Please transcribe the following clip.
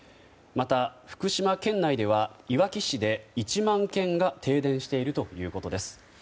また、福島県内ではいわき市で１万軒が停電しているということです。